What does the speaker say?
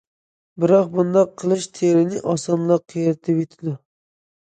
بىراق بۇنداق قىلىش تېرىنى ئاسانلا قېرىتىۋېتىدۇ.